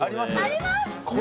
あります